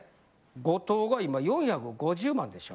後藤が今４５０万でしょ？